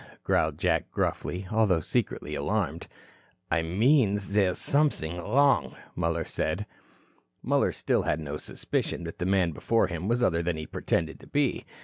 growled Jack gruffly, although secretly alarmed. "I mean there's something wrong," Muller said. Muller still had no suspicion that the man before him was other than he pretended to be.